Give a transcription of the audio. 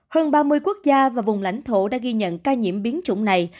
hơn ba mươi quốc gia và vùng lãnh thổ đã ghi nhận ca nhiễm biến chủng này